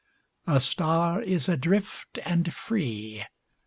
A star is adrift and free.